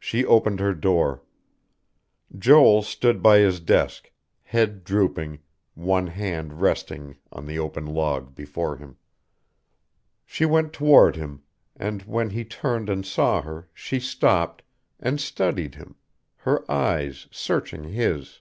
She opened her door. Joel stood by his desk, head drooping, one hand resting on the open log before him. She went toward him, and when he turned and saw her, she stopped, and studied him, her eyes searching his.